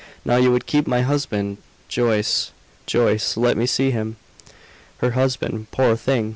Now you would keep my husband. Joyce, Joyce, let me see him!" Her husband! Poor thing!